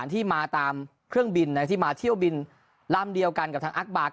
ที่มาตามเครื่องบินที่มาเที่ยวบินลำเดียวกันกับทางอักบาร์